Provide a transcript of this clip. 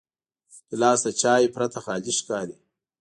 ګیلاس د چایو پرته خالي ښکاري.